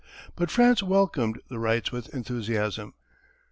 But France welcomed the Wrights with enthusiasm.